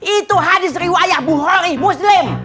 itu hadis riwayah buhori muslim